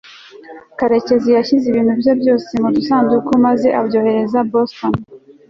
karekezi yashyize ibintu bye byose mu dusanduku maze abyohereza boston